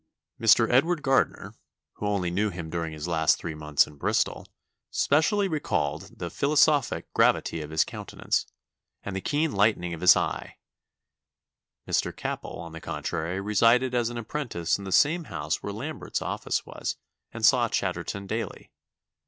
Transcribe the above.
Mr. Edward Gardner, who only knew him during his last three months in Bristol, specially recalled 'the philosophic gravity of his countenance, and the keen lightening of his eye.' Mr. Capel, on the contrary, resided as an apprentice in the same house where Lambert's office was, and saw Chatterton daily.